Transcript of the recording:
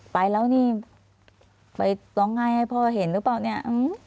ไปแล้วนี่ไปร้องไห้ให้พ่อเห็นหรือเปล่าเนี่ย